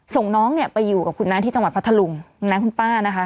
ส่งน้องเนี่ยไปอยู่กับคุณน้าที่จังหวัดพัทธลุงน้าคุณป้านะคะ